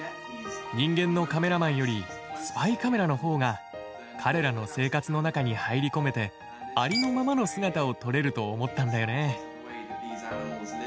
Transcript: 人間のカメラマンよりスパイカメラの方が彼らの生活の中に入り込めてありのままの姿を撮れると思ったんだよね。